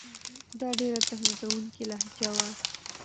دا ډېره تهدیدوونکې لهجه وه.